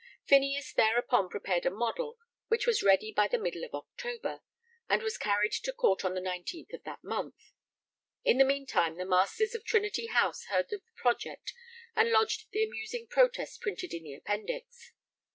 Phineas thereupon prepared a model, which was ready by the middle of October and was carried to Court on the 19th of that month. In the meantime the Masters of Trinity House heard of the project and lodged the amusing protest printed in the Appendix.